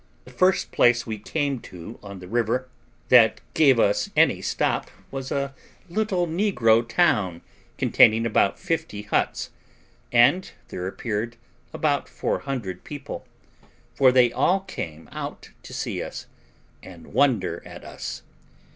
The first place we came to on the river, that gave us any stop, was a little negro town, containing about fifty huts, and there appeared about 400 people, for they all came out to see us, and wonder at us.